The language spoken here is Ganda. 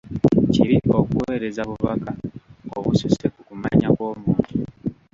Kibi okuweereza bubaka obususse ku kumanya kw'omuntu.